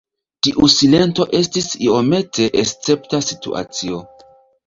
Tiu silento estis iomete escepta situacio.